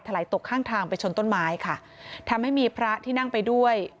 ไหลตกข้างทางไปชนต้นไม้ค่ะทำให้มีพระที่นั่งไปด้วย